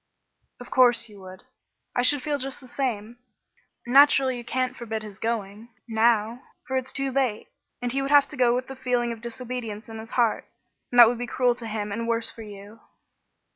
"Of course you would. I should feel just the same. Naturally you can't forbid his going, now, for it's too late, and he would have to go with the feeling of disobedience in his heart, and that would be cruel to him, and worse for you."